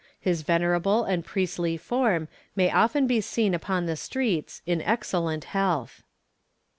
His venerable and priestly form may often be seen upon the streets, in excellent health.